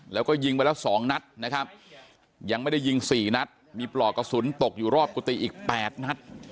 แล้วก็ยิงไปแล้ว๒นัดนะครับยังไม่ได้ยิง๔นัดมีปลอกกระสุนตกอยู่รอบกุฏิอีก๘นัด